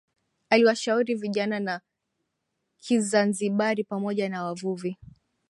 Aliwashauri vijana wa kinzanzibari pamoja na wavuvi